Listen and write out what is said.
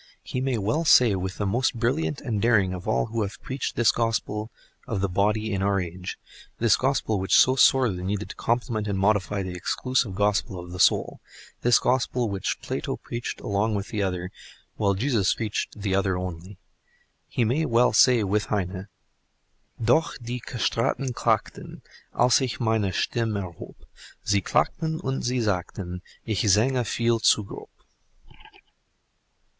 He may well say with the most brilliant and daring of all who have preached this Gospel of the body in our age (this Gospel which is so sorely needed to complement and modify the exclusive Gospel of the soul—this Gospel which Plato preached along with the other, while Jesus preached the other only), he may well say with Heine Doch die Castraten Klagten, Aïs ich meine Stimm' erhob; Sie Klagten und sie sagten; Ich sange veil zu grob.